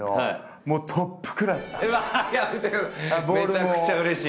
めちゃくちゃうれしい！